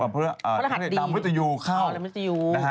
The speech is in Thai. เพื่อนำมวิตยูเข้า